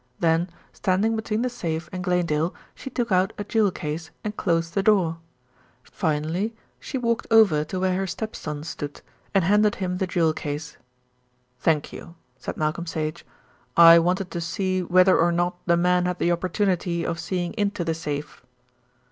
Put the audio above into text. Then, standing between the safe and Glanedale, she took out a jewel case and closed the door. Finally she walked over to where her stepson stood, and handed him the jewel case. "Thank you," said Malcolm Sage. "I wanted to see whether or not the man had the opportunity of seeing into the safe."